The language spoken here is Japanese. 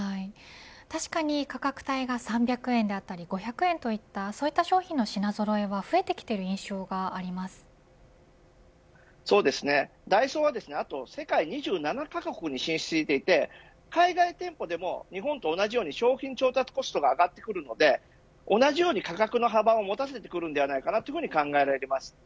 確かに価格帯が３００円だったり５００円といったそういった商品の品ぞろえはダイソーは世界２７カ国に進出していて海外店舗でも日本と同じように商品調達コストが上がってくるので同じように価格の幅を持たせてくるのではないかと考えられます。